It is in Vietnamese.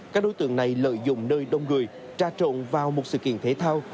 các đối tượng này lợi dụng nơi đông người tra trộn vào một sự kiện thể thao